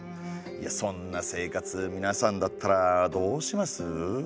そんな生活みなさんだったらどうします？